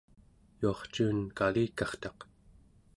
yuarcuun kalikartaq